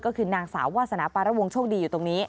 ก็คือนางสาววาสนาปารวงโชคดีอยู่ตรงนี้